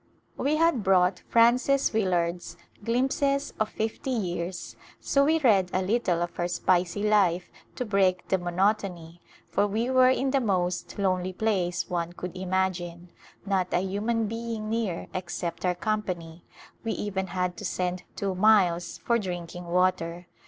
We had brought Frances Willard's " Glimpses of Fifty Years," so we read a little of her spicy life to break the mo notony, for we were in the most lonely place one could imagine ; not a human being near except our company; we even had to send two miles for drinking water.